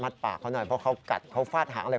ปากเขาหน่อยเพราะเขากัดเขาฟาดหางอะไร